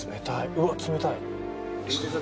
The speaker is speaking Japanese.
うわ冷たい。